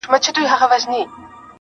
چې پنځه شرطونه یې ونه منل شي